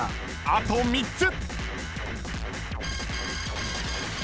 ［あと３つ］